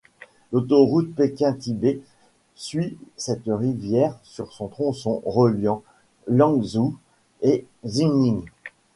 L'autoroute Pékin-Tibet suit cette rivière sur son tronçon reliant Lanzhou à Xining.